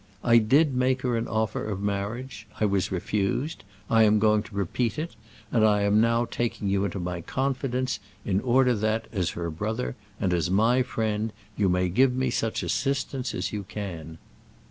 I did make her an offer of marriage; I was refused; I am going to repeat it; and I am now taking you into my confidence, in order that, as her brother, and as my friend, you may give me such assistance as you can."